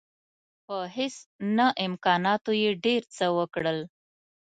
په هیڅ نه امکاناتو یې ډېر څه وکړل.